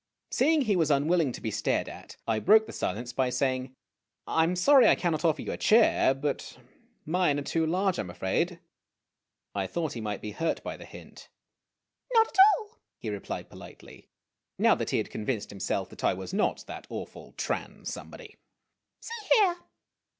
Seeing he was unwilling to be stared at, I broke the silence by saying, "I am sorry I cannot offer you a chair but mine are too large, I am afraid." I thought he might be hurt by the hint. " Not at all !' he replied politely, now that he had convinced himself I was not that awful Tran somebody. "See here!"